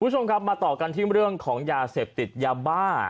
คุณผู้ชมครับมาต่อกันที่เรื่องของยาเสพติดยาบ้า